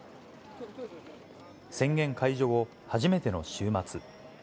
宣言解除後、初めての週末。